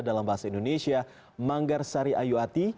dalam bahasa indonesia manggar sari ayuati